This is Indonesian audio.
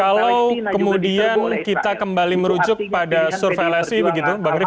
kalau kemudian kita kembali merujuk pada survei lsi begitu bang rif